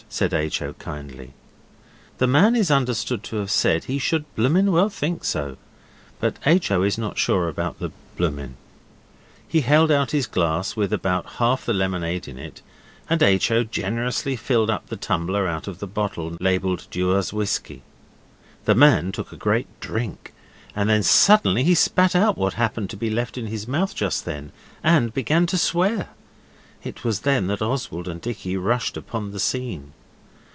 said H. O. kindly. The man is understood to have said he should bloomin' well think so, but H. O. is not sure about the 'bloomin'. He held out his glass with about half the lemonade in it, and H. O. generously filled up the tumbler out of the bottle, labelled Dewar's whisky. The man took a great drink, and then suddenly he spat out what happened to be left in his mouth just then, and began to swear. It was then that Oswald and Dicky rushed upon the scene.